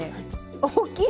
大きい！